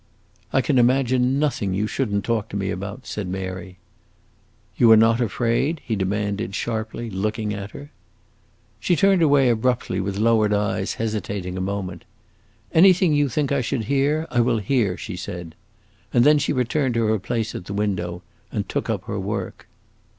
"I can imagine nothing you should n't talk to me about," said Mary. "You are not afraid?" he demanded, sharply, looking at her. She turned away abruptly, with lowered eyes, hesitating a moment. "Anything you think I should hear, I will hear," she said. And then she returned to her place at the window and took up her work.